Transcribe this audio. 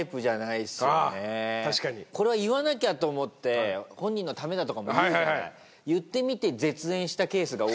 これは言わなきゃと思って本人のためだとかもいうじゃない。